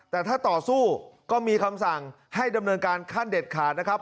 แต่ถ้าต่อสู้ก็มีคำสั่งให้ดำเนินการขั้นเด็ดขาดนะครับ